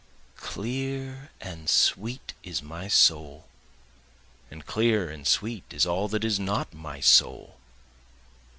Clear and sweet is my soul, and clear and sweet is all that is not my soul.